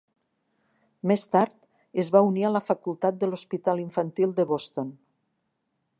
Més tard es va unir a la facultat de l'Hospital Infantil de Boston.